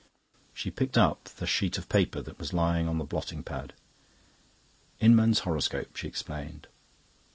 She picked up the sheet of paper that was lying on the blotting pad. "Inman's horoscope," she explained.